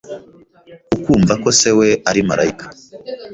ukumva ko se we ari marayika